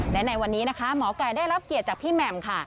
และในวันนี้นะคะหมอไก่ได้รับเกียรติจากพี่แหม่มค่ะ